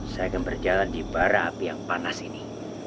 saya akan berjalan di bara api yang panas ini